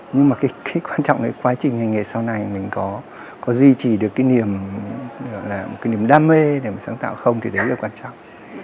nhưng mà cái quan trọng là quá trình hành nghệ sau này mình có duy trì được cái niềm đam mê để mà sáng tạo không thì đấy là quan trọng